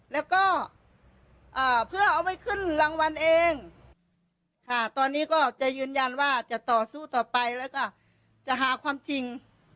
แล้วก็เพื่อเอาไว้ขึ้นรางวัลเองค่ะตอนนี้ก็จะยืนยันว่าจะต่อสู้ต่อไปแล้วก็จะหาความจริง